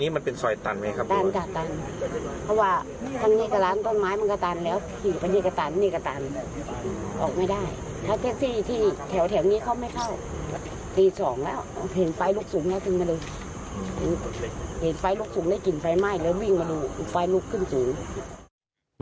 เห็นไฟลุกสูงได้กลิ่นไฟไหม้แล้ววิ่งมาดูไฟลุกขึ้นสูง